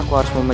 kau harus jadi